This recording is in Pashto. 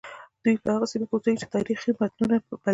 دوی په هغو سیمو کې اوسیږي چې تاریخي متونو بللي.